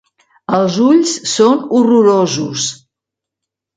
Els ulls són horrorosos.